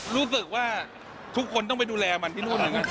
รู้สึกว่าทุกคนต้องไปดูแลมันที่นู่น